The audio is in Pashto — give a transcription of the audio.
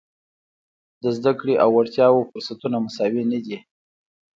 د زده کړې او وړتیاوو فرصتونه مساوي نه دي.